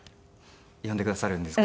読んでくださるんですか？